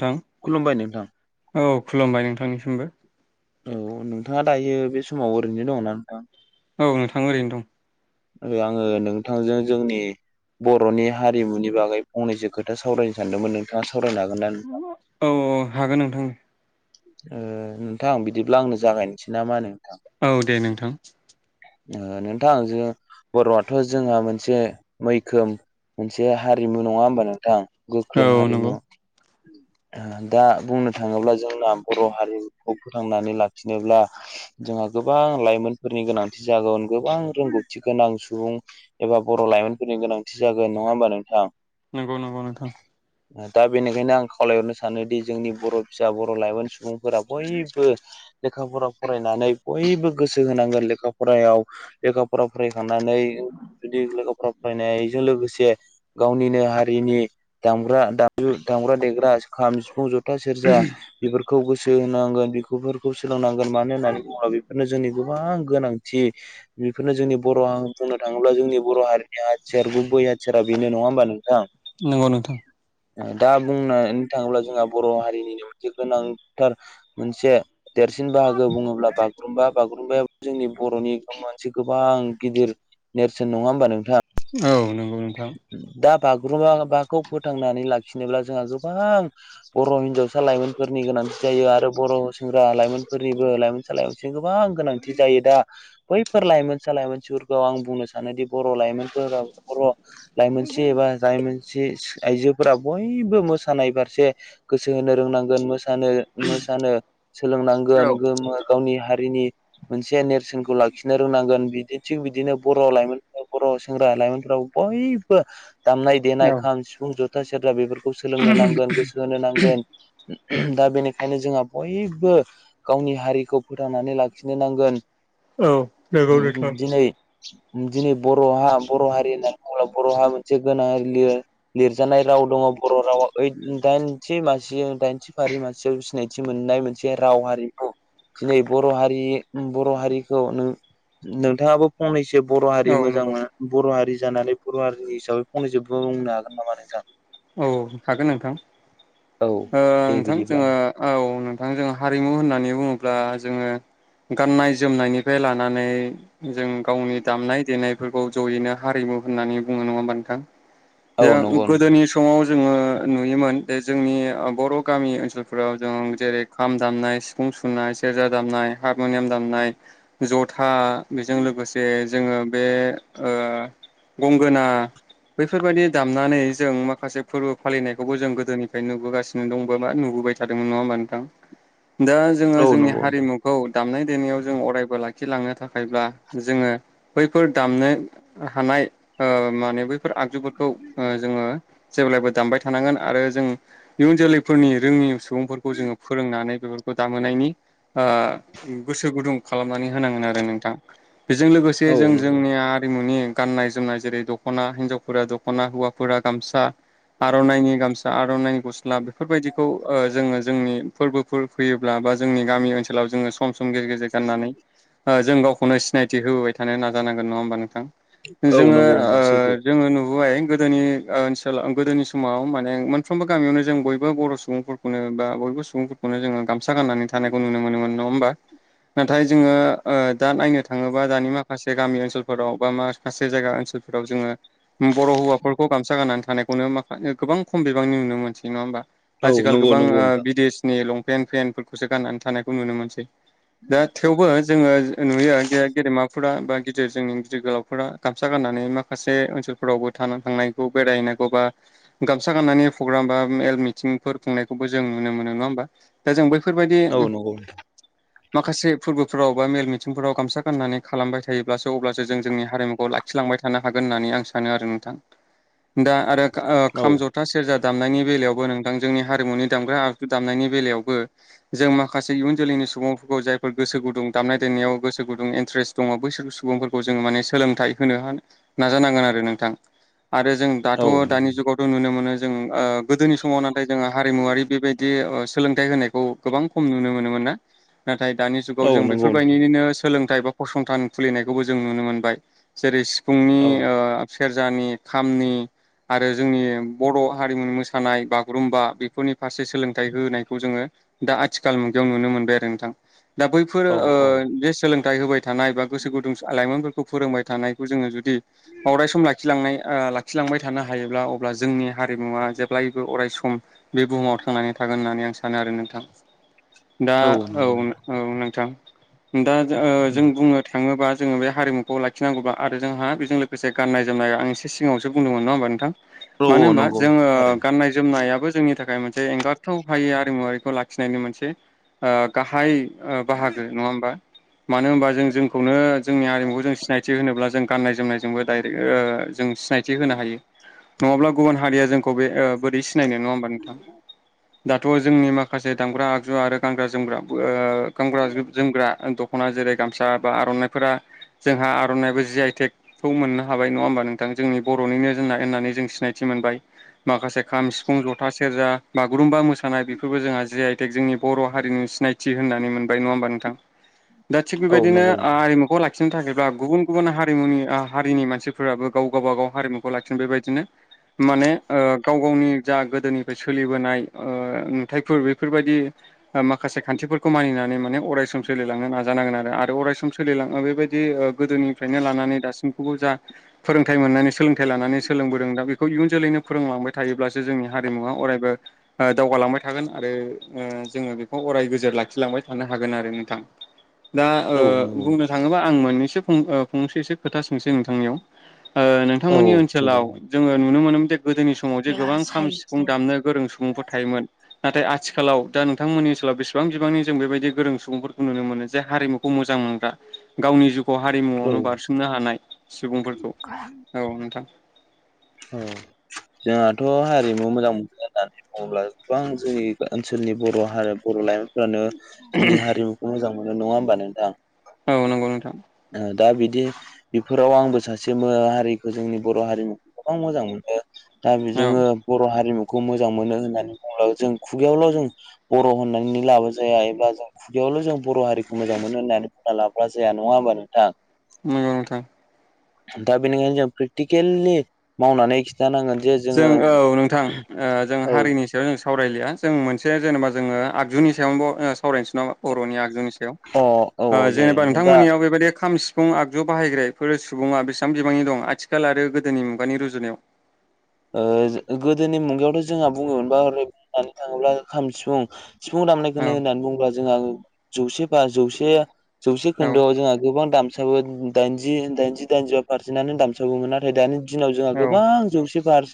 नोंथां औ खुलुमबाय नोंथांनिसिमबो । औ नोंथाङा दायो बे समाव ओरैनो दङना नोंथां? औ नोंथां ओरैनो दं । ओ आंङो नोंथांजों जोंनि बरनि हारिमुनि बागै फंनैसो खोथा सावरायनो सानदोंमोन नोंथाङा सावरायनो हागोन ना नोंथां? औ औ हागोन नोंथां । ओ नोंथां बिदिब्ला आंनो जागायनोसै ना मा होनो? नोंथां औ दे नोंथां । ओ नोंथां जों बर'आथ जोंहा मोनसे मैखोम मोनसे हारिमु नङा होमबा नोंथांं? औ गोख्रों हारिमु नंगौ ओ दा बुंनो थाङोब्ला जोंना बर हारिखौ फोथांनानै लाखिनोब्ला जोंहा गोबां लाइमोनफोरनि गोनांथि जागोन । गोबां रोंगौथि गोनां सुबुं एबा बर लाइमोनफोरनि गोनांथि जागोन ।नङा होमबा नोंथां? नंगौ नंगौ नोंथां । ओ दा बेनिखायनो आं खावलायहरनो सानोदि जोंनि बर फिसा बर लाइमोन सुबुंफोरा बयबो लेखा फरा फरायनानै बयबो गोसो होनांगोन लेखा फरायाव । लेखाफोरा फरायखांनानै जुदि लोगोफोरा फरायनायजों लोगोसे गावनिनो हारिनि दामग्रा दामु दामग्रा देग्रा खाम सिफुं जथा सेरजा बेफोरखौ गोसो होनांगोन बि खौ सोलोंनांगोन मानो होननानै बुङोब्ला बेफोरनो जोंनि गोबां गोनांथि। थि बेफोरनो जोंनि बर बुंनो थाङोब्ला जोंनि बर हारिनि हाथियार गुबै हाथियारा बेनो ना। नङा होनबा नोंथां? नंगौ नोंथां दा बुंनो थाङोब्ला जोंहा बर हारिनिनो मोनसे गोनांथार मोनसे देरसिन बाहागो बुङोब्ला बा रुम्बा बागुरुम्बाया जोंनि बर'नि मोनसे गोबां गिदिर नेरसोन नङा होमबा नों औ नोंगौ नोंथां। बागुरुमबाबाखौ फोथांनानै लाखिनोब्ला जोंहा गोबां बर' हिनजावसा लाइमोनफोरनि गोनांथि जायो आरो बर' सेंग्रा लाइमोनफोरनिबो लाइमोन सा गोबां गोनांथि जायो दा बैफोर लाइमोन सा लाइमोनफोरखौ आं बुंनो सानो दि बर' लाइमोनफोराव बर' लाइमोन सि एबा लाइमोन सि आइजोफोरा बयबो मोसानाय फारसे गोसो होनो रोंनांगोन मोसानो मोसानो औ सोलोंनांगोन गोमो गावनि हा रिनि मोनसे नेरसोनखौ लाखिनो रोंनांगोन बिदि थिग बिदिनो बर' लाइमोन बर' सेंग्रा लाइमोनफोरा बयबो दामनाय नंगौ नोंथां देनाय खाम सिफुं जथा सेरजा बेफोरखौ सोलोंनो नांगोन गोसो होनो नांगोन दा बेनिखायनो जोंहा बयबो गावनि हारिखौ फोथांनानै लाखिनो नांगोन। दिनै दिनै बर'हा बर' हारि होननानै बुङोब्ला बर'हा मोनसे गोनां लिर लिरजानाय राव दङ। बर' रावा ओथ दाइनथि मासिजों दाइनथि फारि मासि सिनायथि मोननाय मोनसे राव हारिखौ। दिनै बर' हारि बर' हारिखौ नों नोंथाङाबो फंनै जे बर' हारि औ मोजां नंगौ मोनो बर' हारि जानानै बर' हारिनि हिसाबै फंनैसो बुं बुंनो हागोन नामा नोंथां? औ हागोन नोंथां। औ ओ दे नोंथां बिदिब्ला जोङो औ नोंथां जो हारिमु होननानै बुङोब्ला जोङो गाननाय जोमनायनिफाय लानानै जों गावनि दामनाय देनाय फोरखौ जयैनो हारिमु होननानै बुङो नङा नोंथां? औ जों नंगौ नोंथां गोदोनि स माव जोङो नुयोमोन जे जोंनि बर' गामि ओनसोलफोराव जों जेरै खाम दामनाय सिफुं सुनाय सेरजा दामनाय हारमुनियाम दामनाय जथा बेजों लोगोसे जोङो बे ओ गंगोना बैफोरबायदि दामनानै जों माखासे माखासे फोरबो फालिनायखौबो जों गोदोनिफ्राय नुबोगासिनो दंबो मा नुबोबाय थादोंमोन नङा होमबा नोंथां। दा जोङो औ जोंनि नंगौ नोंथां हारिमुखौ दामनाय देनायाव जों अरायबो ला खिलांनो थाखायब्ला जोङो बैफोर दामनो हानाय ओ माने बै फोर आगजुफोरखौ ओ जोङो जेब्लायबो दामबाय थानांगोन आरो जों इयुन जोलैफोरनि रोङि सु बुंफोरखौ जोङो फोरोंनानै बेफोरखौ दामोनायनि ओ गोसो गुदुं खालामनानै होनांगोन आरो नोंथां बेजों लोगोसे औ जों नंगौ जोंनि आरिमुनि गाननाय जोमनाय जेरै दख'ना हिन्जावफोरा दख'ना हौवाफोरा गामसा आर'नाइनि गामसा आर'नाइनि गस्ला बेफोरबायदिखौ ओ जोङो जोंनि फोरबोफोर फैयोब्ला बा जोंनि गामि ओनसोलाव जोङो सम सम गेजेर गेजेर गाननानै ओ जों गावखौनो सिनायथि होबोबाय थानो नाजानांगोन नङा होमबा नोंथां‌। औ जोङो नंगौ नोंथां ओ सैथो जोङो नुबोबाय गोदोनि ओनसोलाव गोदोनि समाव माने मोनफ्रोमबो गामियावनो जों बयबो बर' सुबुंफोरखौनो बा बयबो सुबुंफोरखौनो जोंङो गामसा गाननानै थानायखौ नुनो मोनो मोन नङा होमबा। नाथाय जोङो ओ दा नायनो थाङोबा दानि माखासे गामि ओनसोलफोराव बा माखासे जायगा ओनसोल फोराव जोङो बर' हौवाफोरखौ गामसा गाननानै थानायखौनो माखा गोबां खम बिबांनि नुनो मोनसै नङा होमबा। औ आजिखाल नंगौ गोबां नंगौ ओ नोंथां बिदेशनि लंपेन्ट पेेनटफोरखौसो गाननानै थानायखौ नुनो मोनसै। दा थेवबो जोंङो नुयो गे-गेदेमा फोरा बा गिदिर जोंनि गिदिर गोलावफोरा गामसा गाननानै माखासे ओनसोलफोरावबो थाना थांनाय गौ बेरायहैनायखौ बा गामसा गाननानै प्रग्राम बा मेल मिथिंफोर खुंनायखौबो जों नुनो मोनो नंङा होम बा दा जोंबो औ नंगौ। माखासे फोरबोफोराव बा मेल मिथिंफोराव गामसा गाननानै खालामबाय थायोब्लासो अब्लासो जों जोंनि हारिमुखौ लाखि लांबाय थानो हागोन होन्नानै आं सानो आरो नोंथां। दा आरो गो ओ औ खाम जथा सेरजा दामनायनि बेलायावबो नोंथां जोंनि हारिमुनि दामग्रा आगु दामनायनि बेलायावबो जों माखा माखासे इयुन जोलैनि सुबुंफोरखौ जायफोर गोसो गुदुं दामनाय देनायाव गोसो गुदुं एन इन्ट्रेस्ट दंङ' बैसोर सुबुंफोरखौ जोंङो माने सोलोंथाइ होनो हान नाजानांगोन आरो नोंथां। आरो जों दाथ' औ दानि नंगौ जुगावथ' नुनो मोनो जों ओ गोदोनि समाव नाथाय जोंङो हारिमुवारि बेबायदि ओ सोलोंथाइ होनायखौ गोबां खम नुनो मोनोमोन। ना नाथाय दानि जुगाव औ जों नंगौ नोंथां बेफोरबायदियैनो सोलोंथाइ बा फसंथान खुलिनायखौबो जों नुनो मोनबाय जेरै सिफुंनि औ ओ सेरजानि खामनि। आरो जोंनि बर' हारिमुनि मोसानाय बागुरुम्बा बेफोरनि फारसे सोलोंथाइ होनायखौ जोंङो दा आथिखाल मुगायाव नुनो मोनबाय आरो नोंथां। दा बैफोरो औ ओ औ जे सोलोंथाइ होबाय थानाय बा गोसो गुदुं आलाइमोनफोरखौ फोरोंबाय थानायखौ जोंङो जुदि दि अराय सम लाखिलांनाय ओ लाखिलांबाय थानो हायोब्ला अब्ला जोंनि हारिमुवा जेब्लायबो अराय सम बे बुहुमाव थांनानै था थागोन होन्नानै आं सानो आरो नोंथां। [inaudible] दा औ नंगौ औ नोंथां दा जो ओ नोंथां जों बुंनो थांङोबा जोंङो बे हारिमुखौ लाखिनांगौबा आरो जोंहा बेजों लोगोसे गाननाय जोमनाय आं एसे सिगांङाव सो बुंदोंमोन नंङा होम्बा नोंथां औ मानो औ होम्बा नंगौ जोंङो थारैनो गाननाय जोमनायाबो जोंनि थाखाय मोनसे जे एंगारथाव हायै आरिमुवारिखौ लाखिनायनि मोनसे ओ गाहाय ओ बाहागो नंङा होम्बा मानो होम्बा जों जोंखौनो जोंनि हिमुखौ जों सिनायथि होनोब्ला जों गाननाय जोमनायजोंबो डाइरेक्ट ओ जों सिनायथि होनो हायो नंङाब्ला गुबुन हारिया जोंखौ बे ओ बोरै सि सिनायनो नंङा होम्बा नोंथां दाथ' जोंनि माखासे दामग्रा आगजु आरो गानग्रा जोमग्रा बो ओ गानग्रा जोमग्रा ओ दख दख'ना जेरै गामसा बा आर'नाइफोरा जोंहा आर'नायाबो जि आइ टेकखौ मोन्नो हाबाय नंङा होमबा नों थां जोंनि बर'निनो जोंना होननानै जों सिनायथि मोनबाय। माखासे खाम सिफुं जथा सेरजा बागुरुम्बा मोसानाय बेफोरबो जोंहा जि आइ थेक जोंनि बर' हारिनि सिनायथि होन्नानै मोनबाय नंङा होमबा नोंथां। [inaudible] दा थिग औ बेबायदिनो नंगौ ओ हारिमुखौ लाखिनो थाखायब्ला गुबुन गुबुन हारिमुनि ओ हारिनि मानसिफोराबो गाव गावबा गाव हारिमुखौ लाखिनो बेबायदिनो माने ओ गाव गावनि जा गोदोनिफाय सोलिबोनाय ओ नुथायफोर बेफोरबायदि ओ माखासे खान्थिफोरखौ मानिनानै माने अराय सम सोलिलांनो नाजानांगोन आरो आरो अराय सम सोलिलांङो बेबायदि दि ओ गोदोनिफ्रायनो लानानै दासिमखौबो जा फोरोंथाइ मोननानै सोलोंथाइ लानानै सोलोंबोदों दा बेखौ इयुन जोलैनो फोरोंलांबाय थायोब्लासो जोंनि हारिमुवा अरायबो ओ दावगालांबाय थागोन आरो ओ जोंङो बेखौ अराय गोजोर लाखिलांबाय थानो हागोन आरो नोंथां। दा ओ नोंथां औ नंगौ बुंनो थांङोबा आं मोननैसो फं ओ फंसे सो खोथा सोंसै नोंथांनियाव। ओ औ नोंथांमोननि ओनसोलाव सोंजागोन जोंङो नुनो मोनो गोदोनि समाव जे गोबां खाम सिफुं दामनो गोरों सुबुंफोर थायोमोन नाथाय आथिखालाव दा नोंथांमोननि बेसेबां बिबांनि जों बेबायदि गोरों सुबुंफोरखौ नुनो मोनो जे हारिमुखौ मोजां मोनग्रा गावनि जुग खौ औ हारिमुआवनो बारसोमनो हानाय सुबुंफोरखौ औ नोंथां। औ। जोहाथ' हारिमु मोजां मोनग्रा दानि बुङोब्ला गोबां जोंनि ओनसोलनि बर' हारि बर' लायमोनफोरानो जोंनि हारिमुखौ मोजां मोनो नङा होमबा नोंथां औ नंगौ नोंथां ओ दा बिदि दि बेफोराव आंबो सासे मो हारिखो जोंनि बर' हारिमुखौ गोबां मोजां मोनो। दा औ बेजोङो बर' हारिमुख खौ मोजां मोनो होन्नानै बुंब्लाबो जों खुगायावल' जों बर' होननानैनो लाबा जाया एबा जों खुगायाव खौल' जों बर' हारिखौ मोजां मोनो होन्नानै बुंना लाबब्ला जाया नङा होमबा नोंथां। मोजां नोंथां। दा बेनिखायनो जों प्रेकटिकेलि मावनानै खिन्थानांगोन जे जों जोङो औ नोंथां ओ जों औ हारिनि सायाव जों सावरायलिया जों मोनसे जेनेबा जोङो आगजुनि सायावनोबाव ओ सावरायनोसै नङा बर'नि आगजुनि सायाव अ औ ओ जायो जेनेबा नोंथां दा नोंथांमोननियाव बेबायदि खाम फुं आगजु बाहायग्रायफोर सुबुंङा बेसेबां बिबांनि दं आथिखाल आरो गोदोनि मुगानि रुजुनायाव ओ गोदोनि मुगायावथ' जोंहा बुङोमोनबा हरै बुंनानै थाङोब्ला खाम सिफुं सिफुं दामनायखौनो औ होननानै बुङोब्ला जोंहा जौसे बा जौसे जौसे खोन्दोआव जोंहा गोबां दाम साबोन दाइनजि दाइनजिबा पारसेन्टनो दामसाबोन नाथाय दानि दिनाव जोंहा औ गोबां जौसे बार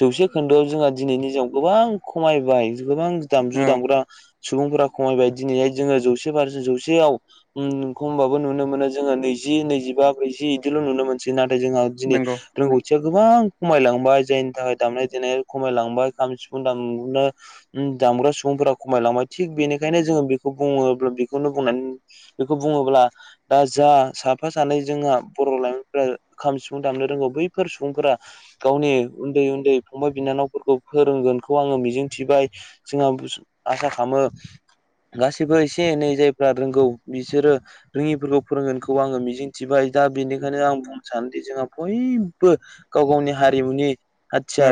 जौसे खोन्दोआव जोंहा दिनैनि दिनाव गोबां खमायबाय गोबां औ दामजु दामग्रा सुबुंफोरा खमायबाय दिनैहाय जोङो जौसे बारसे जौसेयाव उम खमबाबो नुनो मोनो जोङो नै नैजिबा ब्रैजि बिदिल' नुनो मोनसै नाथाय जोंहा दिनै नंगौ रोंगथिया गोबां खमायलां बाय जायनि थाखाय दामनाय देनाय खमायलांबाय खाम सिफुं दामनो उम दामग्रा सुबुंफोरा खमाय लांबाय थिग बेनिखायनो जोङो बेखौ बुङोब्ला बेखौनो बुंनानै बेखौ बुङोब्ला दा जा साफा सानै जोंहा बर' लाइमोनफोरा खाम सिफुं दामनो रोंगौ बैफोर सुबुंफोरा गावनि उन्दै उन्दै फंबाय बिनानावफोरखौ फोरोंगोनखौ आङो मिजिंथिबाय जोंहा आसा खालामो गासैबो एसे एनै जायफ्रा रोंगौ बिसोरो रोङिफोरखौ फोरोंगोनखौ आङो मिजिंथिबाय दा बेनिखायनो आं बुंनो सानोदि जोंहा बयबो गाव गावनि हारिमुनि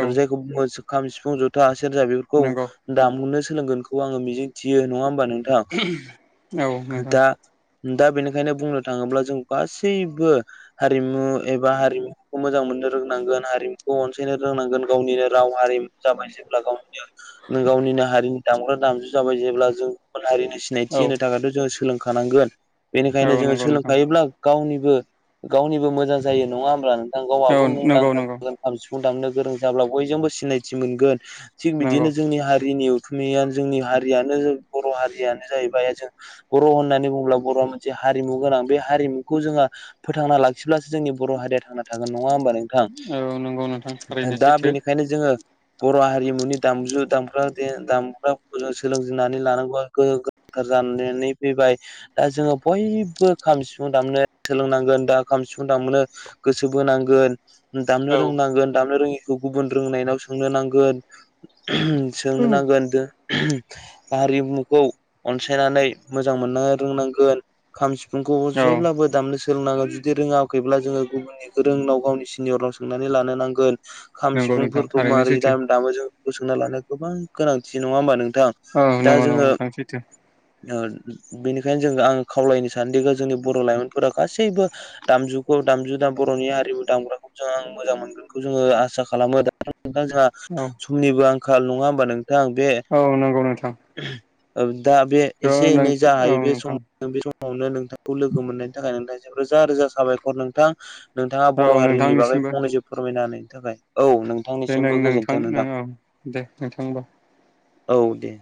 औ जायखौ बुङो खाम सिफुं जथा सेरजा बेफोरखौ नंगौ दामनो सोलोंगोनखौ आङो मिजिंथियो नङा होमबा नोंथां औ नोंथां दा दा बेनिखायनो बुंनो थाङोब्ला जों गासैबो हारिमु एबा हारिमुखौ मोजां मोन नांगौना हारिमखौ अनसायनो रोंनांगोन गावनिनो राव हारिमु जाबाय जेब्ला गावनिनो गावनिनो हारिनि दामजु जाबाय जेब्ला जों हारि सिनायथि औ होनो थाखायथ' जोङो सोलोंखानांगोन बेनिखायनो औ जोङो नंगौ नोंथां सोलोंखायोब्ला गावनि बो गावनिबो मोजां जायो नङा हब्ला नोंथां औ गावाबो नंगौ मुंदांखा नंगौ जागोन खाम सिफुं दामनो गोरों जाब्ला बयजोंबो सिनायथि मोनगोन थिग नंगौ बिदिनो जोंनि हारिनि खैयानो जोंनि हारियानो बर' हारि जाहैबाय जों बर' होननानै बुङोब्ला बर'आ मोनसे हारिमु गोनां बे हारिमुखौ जोङो फो थांना लाखिब्लासो जोंनि बर हारिया थां थागोन नङा होमबा नोंथां औ नंगौ नोंथां थारैनो दा सैथो बेनिखायनो जोङो बर' हारिमुनि दामजु दामग्रा दामग्राफोरखौ जों सोलोंनानै लानांगौआ गौ जानानै फैबाय दा जोङो बयबो खाम सिफुं दामनो सोलोंनांगोन दा खाम सिफुं दामनो गोसो बोनांगोन दामनो औ रोंनांगोन दामनो रोङिखौ गुबुन रोंनायनाव सोंनो नांगोन सोंनो नांगोनदो हारिमुखौ अनसायनानै मोजां मोननो रोंनांगोन खाम फुंखौबो औ जेब्लाबो दामनो सोलोंनांगौ जुदि रोङाखैब्ला जोङो गुबुननि गोरोंनाव गावनि निनाव सोंनानै लानो नांगोन खाम नंगौ नोंथां सिफुंफोरखौ थारैनो माबारै सैथो दाम दामो जों बे सोंना लानो गोबां गोनांथि नङा होमबा नोंथां औ दा नंगौ नंगौ जोङो नोंथां सैथो ओ बेनिखायनो जों आङो खावलायनो सानो दि जोंनि बर' लाइमोनफोरा गासैबो दामजुखौ दामजु दाम बर'नि आरिमु दामग्राखौ जों आं मोजां मोनगोनखौ जोङो आसा खालामो दा नोंथां जोंहा औ समनिबो आंखाल नङा होमबा नों थां बे औ नंगौ नोंथां ओं दा बे औ एसे एनै जायो बे सम नोंथां बे सम मावनो नोंथांखौ लोगो मोननायनि थाखाय नोंथांनिसिम रोजा रोजा साबायखर नोंथां। नोंथाङा औ बर' हा फोरनि बागै नोंथांनिसिमबो फंनैसो फोरमायना होनायनि थाखाय। औ दे नों नोंथांनिसिमबो गोजोन्थों नोंथां। औ दे नोंथां होमबा औ दे।